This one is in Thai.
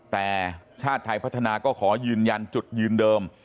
แต่ชาติไทยพัฒนาก็ขอยืนยันจุดยืนเดิม